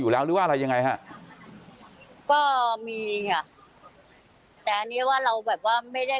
หรือว่าอะไรยังไงฮะก็มีค่ะแต่อันนี้ว่าเราแบบว่าไม่ได้